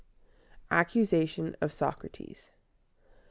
ACCUSATION OF SOCRATES.